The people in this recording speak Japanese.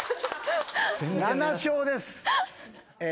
７笑です。